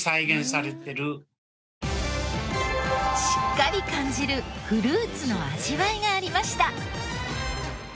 しっかり感じるフルーツの味わいがありました。